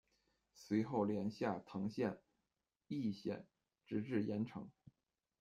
随后连下滕县、峄县，直至郯城。